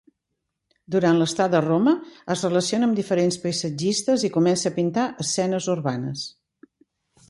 Durant l'estada a Roma es relaciona amb diferents paisatgistes i comença a pintar escenes urbanes.